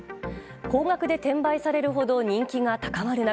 高額で転売されるほど人気が高まる中